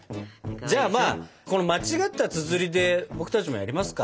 じゃあまあこの間違ったつづりで僕たちもやりますか。